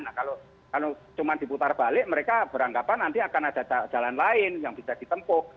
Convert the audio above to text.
nah kalau cuma diputar balik mereka beranggapan nanti akan ada jalan lain yang bisa ditempuh